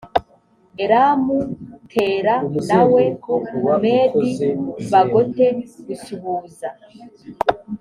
elamu tera nawe bumedi bagote gusuhuza